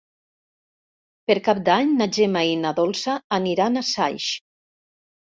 Per Cap d'Any na Gemma i na Dolça aniran a Saix.